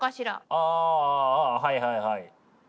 ああああはいはいはい。